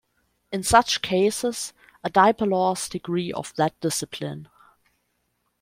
In such cases, a dipelor's degree of that discipline.